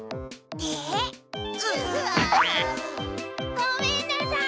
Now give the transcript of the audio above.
ごめんなさい！